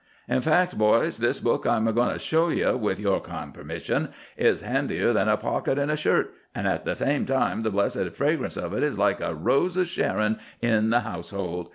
In fact, boys, this book I'm goin' to show ye, with your kind permission, is handier than a pocket in a shirt, an' at the same time the blessed fragrance of it is like a rose o' Sharon in the household.